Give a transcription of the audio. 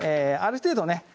ある程度ね